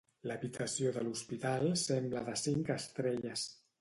L'habitació de l'hospital sembla de cinc estrelles